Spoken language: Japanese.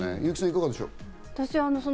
優木さん、いかがでしょう？